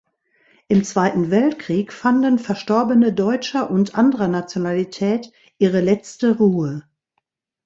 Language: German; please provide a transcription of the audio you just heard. Im Zweiten Weltkrieg fanden Verstorbene deutscher und anderer Nationalität ihre letzte Ruhe.